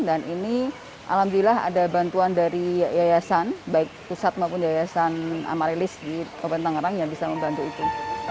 dan ini alhamdulillah ada bantuan dari yayasan baik pusat maupun yayasan amarilis di kabupaten tangerang yang bisa membantu itu